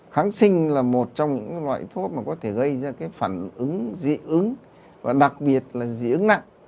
kháng sinh là một trong những loại thuốc mà có thể gây ra cái phản ứng dị ứng và đặc biệt là dị ứng nặng